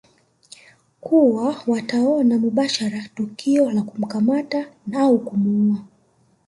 kuwa wataona mubashara tukio la kumkamata au kumuua